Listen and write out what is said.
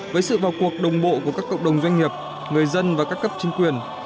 với sự vào cuộc đồng bộ của các cộng đồng doanh nghiệp người dân và các cấp chính quyền